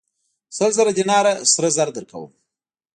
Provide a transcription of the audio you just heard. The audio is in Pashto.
سل زره دیناره سره زر درکوم.